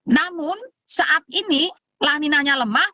namun saat ini laninanya lemah